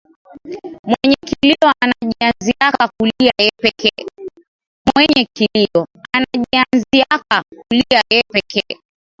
Mwenye kilio anajianziaka kulia yepeke